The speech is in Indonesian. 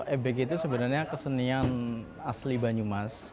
ebek itu sebenarnya kesenian asli banyumas